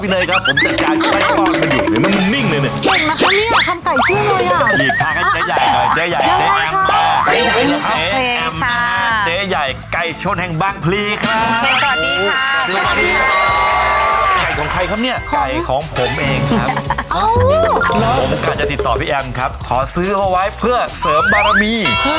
เดี๋ยวจะติดต่อพี่เอมขอซื้อไว้เพื่อเสริมบารมี